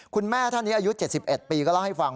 คุณแม่ท่านนี้อายุ๗๑ปีก็เล่าให้ฟัง